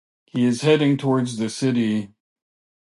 He is heading towards the city.